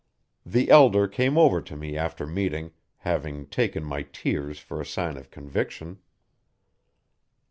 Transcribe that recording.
The elder came over to me after meeting, having taken my tears for a sign of conviction.